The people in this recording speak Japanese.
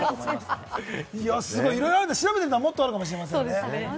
いろいろ調べてみるともっとあるかもしれませんね。